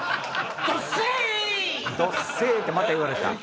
「どっせぇい」ってまた言われた。